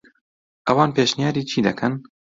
ئەوان پێشنیاری چی دەکەن؟